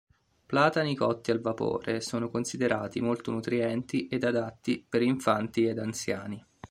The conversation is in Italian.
Platani cotti al vapore sono considerati molto nutrienti ed adatti per infanti ed anziani.